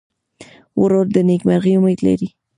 ورور ته د نېکمرغۍ امید لرې.